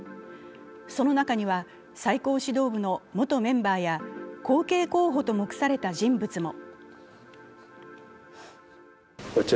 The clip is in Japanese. その中には最高指導部の元メンバーや後継候補と目された人物も。